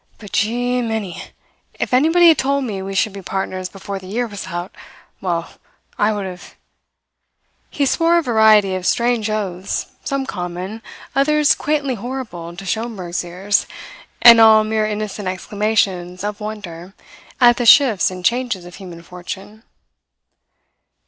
But Jee miny, if anybody had told me we should be partners before the year was out well, I would have " He swore a variety of strange oaths, some common, others quaintly horrible to Schomberg's ears, and all mere innocent exclamations of wonder at the shifts and changes of human fortune.